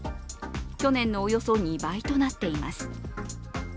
去年のおよそ２倍となっています。